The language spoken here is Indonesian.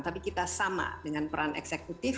tapi kita sama dengan peran eksekutif